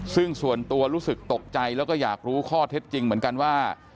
ซึ่งส่วนตัวรู้สึกตกใจแล้วก็อยากรู้ข้อเท็จจริงเหมือนกันว่า